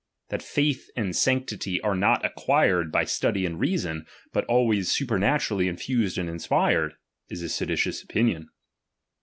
That ^dilh and sanctity are not acquired by study and reason, but ^laays supernalurally infused and inspired, is a seditious opinion.